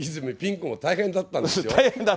私も大変だったんですよ。